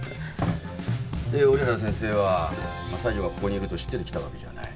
で折原先生は西条がここにいると知ってて来たわけじゃない。